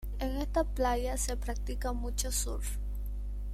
En esta playa se practica mucho surf.